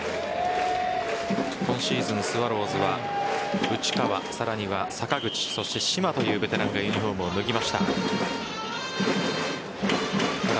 今シーズン、スワローズは内川、さらには坂口そして嶋というベテランがユニホームを脱ぎました。